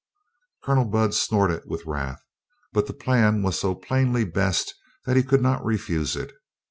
Colonel Budd snorted with wrath. But the plan was so plainly best that he could not refuse it.